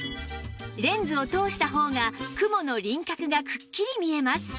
レンズを通した方が雲の輪郭がくっきり見えます